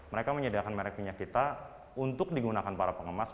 mereka menyediakan merek minyak kita untuk digunakan para pengemas